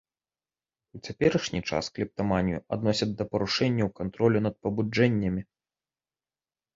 У цяперашні час клептаманію адносяць да парушэнняў кантролю над пабуджэннямі.